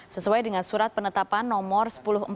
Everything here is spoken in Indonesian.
sesuai dengan surat penetapan nomor seribu empat puluh tujuh